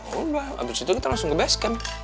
yaudah abis itu kita langsung ke base camp